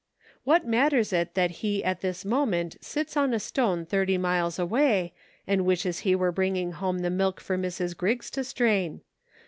What matters it that he at this moment sits on a stone thirty miles away, and wishes he were bringing home the milk for Mrs. Griggs to strain.